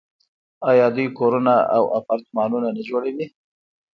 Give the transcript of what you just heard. آیا دوی کورونه او اپارتمانونه نه جوړوي؟